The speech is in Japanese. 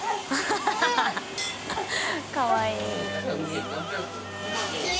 かわいい。